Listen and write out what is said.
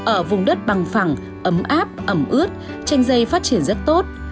ở vùng đất bằng phẳng ấm áp ẩm ướt chanh dây phát triển rất tốt